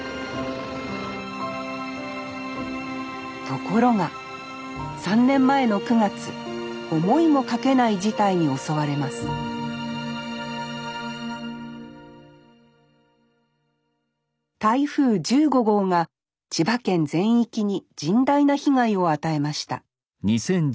ところが３年前の９月思いもかけない事態に襲われます台風１５号が千葉県全域に甚大な被害を与えました。